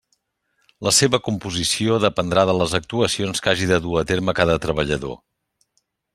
La seva composició dependrà de les actuacions que hagi de dur a terme cada treballador.